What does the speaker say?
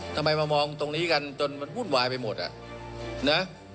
ทำไมมามองตรงนี้กันจนมันวุ่นวายไปหมดอ่ะนะ